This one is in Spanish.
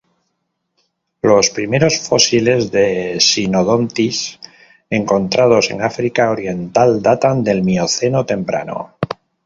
Los primeros fósiles de "Synodontis" encontrados en África Oriental datan del Mioceno temprano.